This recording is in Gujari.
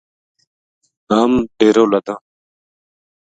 ہم ڈیرو لَداں